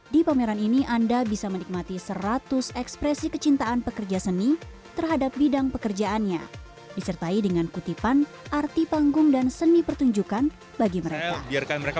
di pameran ini anda bisa menikmati seratus ekspresi kecintaan pekerja seni terhadap bidang pekerjaannya disertai dengan kutipan arti panggung dan seni pertunjukan bagi mereka